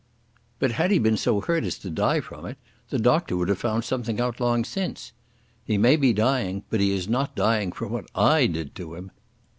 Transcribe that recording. But had he been so hurt as to die from it, the doctor would have found something out long since. He may be dying, but he is not dying from what I did to him."